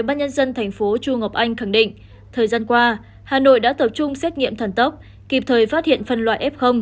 tại hội nghị chủ tịch ubnd tp chu ngọc anh khẳng định thời gian qua hà nội đã tập trung xét nghiệm thần tóc kịp thời phát hiện phần loại f